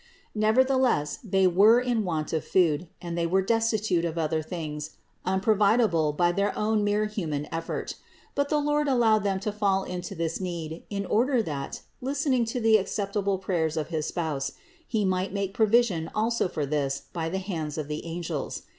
634. Nevertheless, they were in want of food, and they were destitute of other things unprovidable by their own mere human effort. But the Lord allowed them to fall into this need in order that, listening to the ac ceptable prayers of his Spouse, He might make provi sion also for this by the hands of the angels.